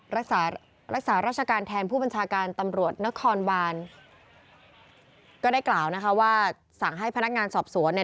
รักษารักษาราชการแทนผู้บัญชาการตำรวจนครบานก็ได้กล่าวนะคะว่าสั่งให้พนักงานสอบสวนเนี่ย